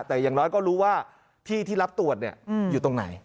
แต่อย่างน้อยก็รู้ว่าที่ที่รับตรวจอยู่ตรงไหน